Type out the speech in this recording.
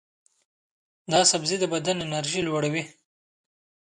دا سبزی د بدن انرژي لوړوي.